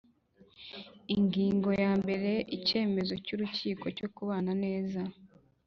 Ingingo ya mbere Icyemezo cy urukiko cyo kubana neza